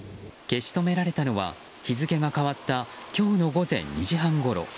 消し止められたのは日付が変わった今日の午前２時半ごろ。